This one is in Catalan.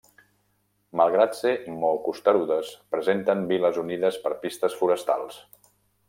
Malgrat ser molt costerudes presenten viles unides per pistes forestals.